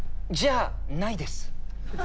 じゃあないです。